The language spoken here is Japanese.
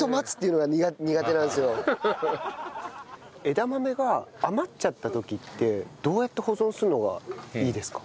枝豆が余っちゃった時ってどうやって保存するのがいいですか？